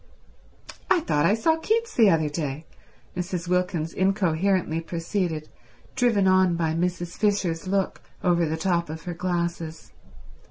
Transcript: "I thought I saw Keats the other day," Mrs. Wilkins incoherently proceeded, driven on by Mrs. Fisher's look over the top of her glasses.